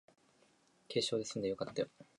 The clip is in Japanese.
軽傷ですんでよかったよ